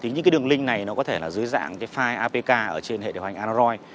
những đường link này có thể dưới dạng file apk trên hệ điều hành android